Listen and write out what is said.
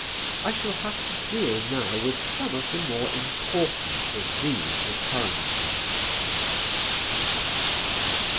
I shall have to deal now with some of the more important of these occurrences.